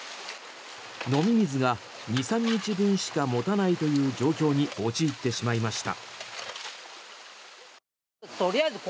飲み水が２３日分しか持たないという状況に陥ってしまいました。